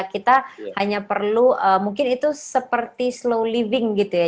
kita hanya perlu mungkin itu seperti slow living gitu ya